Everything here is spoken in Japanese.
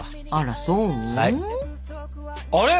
あれ？